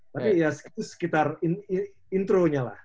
tapi ya sekitar intronya lah